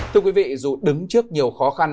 thưa quý vị dù đứng trước nhiều khó khăn